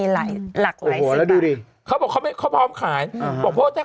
หลายล้าน